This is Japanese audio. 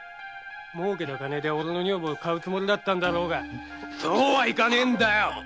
儲けた金でおれの女房も買うつもりだったんだろうがそうはいかねえんだよ！